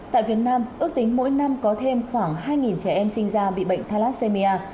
tại việt nam ước tính mỗi năm có thêm khoảng hai trẻ em sinh ra bị bệnh thalassemia